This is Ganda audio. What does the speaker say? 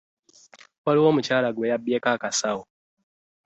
Waliwo omukyal gwe yabyeko aksawo .